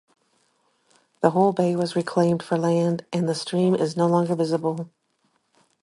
The whole bay was reclaimed for land and the stream is no longer visible.